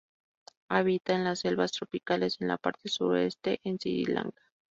Habita en las selvas tropicales en la parte suroeste e Sri Lanka.